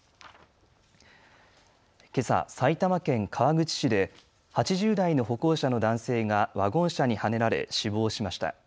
けさ埼玉県川口市で８０代の歩行者の男性がワゴン車にはねられ死亡しました。